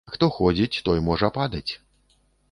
Хто ходзіць, той можа падаць.